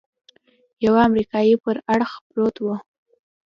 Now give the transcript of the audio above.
يوه امريکايي پر اړخ پروت و.